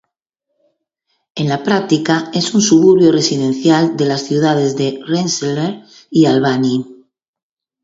En la práctica es un suburbio residencial de las ciudades de Rensselaer y Albany.